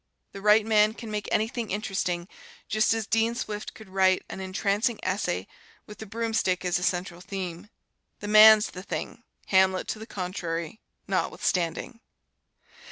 The right man can make anything interesting, just as Dean Swift could write an entrancing essay with the broomstick as a central theme. The man's the thing, Hamlet to the contrary, notwithstanding.